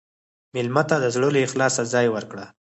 مېلمه ته د زړه له اخلاصه ځای ورکړه.